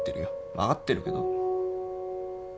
分かってるけど。